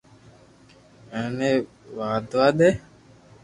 ايني واڌوا دي